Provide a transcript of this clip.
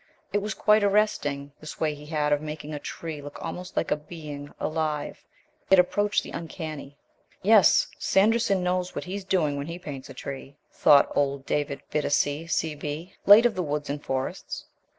It was quite arresting, this way he had of making a tree look almost like a being alive. It approached the uncanny. "Yes, Sanderson knows what he's doing when he paints a tree!" thought old David Bittacy, C.B., late of the Woods and Forests.